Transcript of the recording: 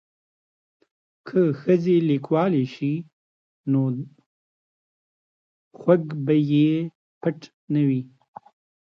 که ښځې لیکوالې شي نو دردونه به یې پټ نه وي.